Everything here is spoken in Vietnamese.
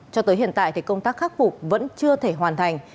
cho tới hiện tại thì công tác khắc phục vẫn chưa thể hoàn thành